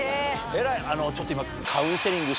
偉いちょっと今。